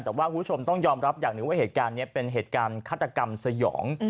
แต่ว่าคุณผู้ชมต้องยอมรับอย่างหนึ่งว่าเหตุการณ์นี้เป็นเหตุการณ์ฆาตกรรมสยอง